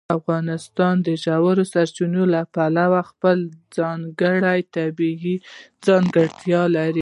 افغانستان د ژورې سرچینې له پلوه خپله ځانګړې طبیعي ځانګړتیا لري.